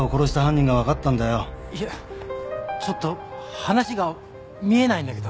いやちょっと話が見えないんだけど。